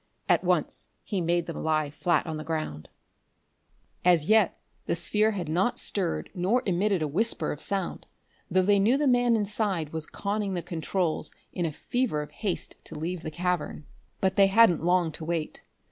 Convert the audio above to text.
At once he made them lie flat on the ground. As yet the sphere had not stirred nor emitted a whisper of sound, though they knew the man inside was conning the controls in a fever of haste to leave the cavern. But they hadn't long to wait.